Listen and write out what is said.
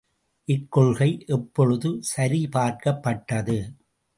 இக்கொள்கை எப்பொழுது சரிபார்க்கப்பட்டது?